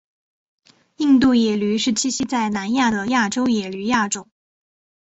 印度野驴是栖息在南亚的亚洲野驴亚种。